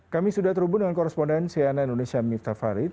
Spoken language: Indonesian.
kami sudah terhubung dengan korespondensi ana indonesia mifta farid